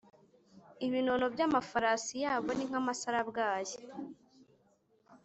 ibinono by’amafarasi yabo ni nk’amasarabwayi,